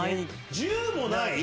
１０もない？